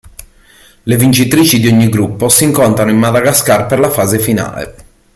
Le vincitrici di ogni gruppo si incontrano in Madagascar per la fase finale.